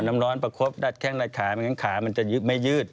อ๋อน้ำร้อนประคบดัดแข้งดัดขาดัดขามันจะไม่ยืด